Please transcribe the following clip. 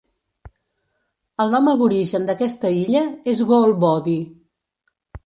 El nom aborigen d'aquesta illa és Goolboddi.